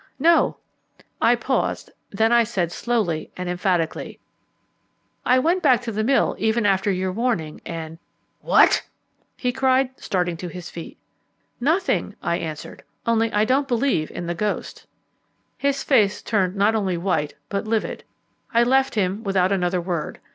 "No," I paused, then I said slowly and emphatically, "I went back to the mill even after your warning, and " "What?" he cried, starting to his feet. "Nothing," I answered; "only I don't believe in the ghost." His face turned not only white but livid. I left him without another word.